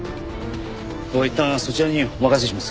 いったんそちらにお任せします。